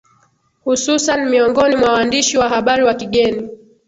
hususan miongoni mwa waandishi wa habari wa kigeni